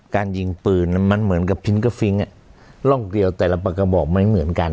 การยิงปืนมันเหมือนกับพิ้นกระฟิ้งร่องเดียวแต่ละปากกระบอกไม่เหมือนกัน